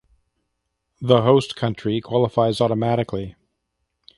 The host country qualifies automatically.